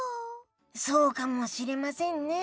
そうかもしれませんね。